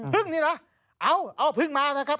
พึ่งนี่นะเอาเอาพึ่งมานะครับ